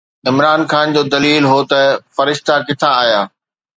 عمران خان جو دليل هو ته فرشتا ڪٿان آيا؟